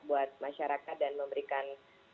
buat masyarakat dan memberikan